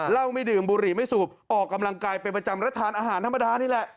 ไม่ดื่มบุหรี่ไม่สูบออกกำลังกายเป็นประจำและทานอาหารธรรมดานี่แหละ